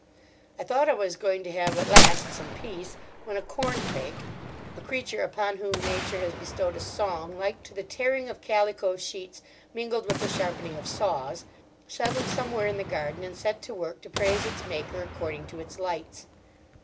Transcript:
I thought I was going to have at last some peace, when a corncrake—a creature upon whom Nature has bestowed a song like to the tearing of calico sheets mingled with the sharpening of saws—settled somewhere in the garden and set to work to praise its Maker according to its lights.